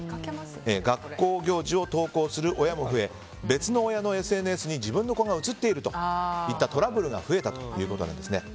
学校行事を投稿する親も増え別の親のＳＮＳに自分の子が映っているといったトラブルが増えたということなんですね。